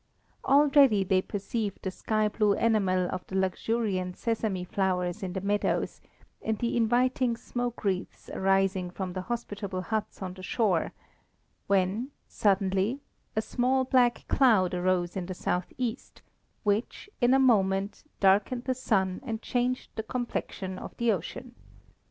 Already they perceived the sky blue enamel of the luxuriant sesame flowers in the meadows, and the inviting smoke wreaths arising from the hospitable huts on the shore when, suddenly, a small black cloud arose in the south east, which, in a moment, darkened the sun and changed the complexion of the ocean.